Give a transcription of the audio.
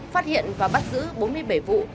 phát hiện và bắt giữ bốn mươi bảy vụ